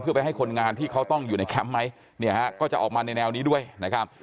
เพื่อไปให้คนงานที่เขาต้องอยู่ในแคมป์ไหมเนี่ยฮะก็จะออกมาในแนวนี้ด้วยนะครับ